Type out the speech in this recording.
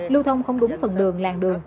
lưu thông không đúng phần đường làng đường